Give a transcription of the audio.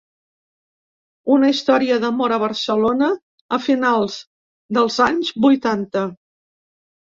Una història d’amor a Barcelona a finals dels anys vuitanta.